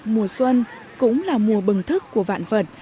mùa xuân cũng là mùa bừng thức của vạn vật